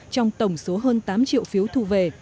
trong tổng số hơn tám triệu phiếu thu về